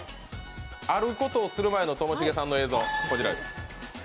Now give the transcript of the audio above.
あることをする前のともしげさんの映像、こちらです。